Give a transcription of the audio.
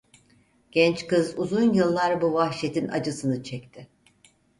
Genç kız uzun yıllar bu vahşetin acısını çekti.